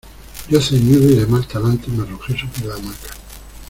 yo ceñudo y de mal talante, me arrojé sobre la hamaca